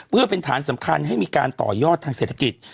เพื่อเป็นฐานสำคัญให้มีการต่อยอดทางเศรษฐกิจ